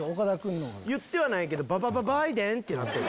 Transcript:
言ってはないけどババババイデン？ってなってる。